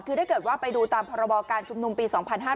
คือถ้าเกิดว่าไปดูตามพรบการชุมนุมปี๒๕๕๙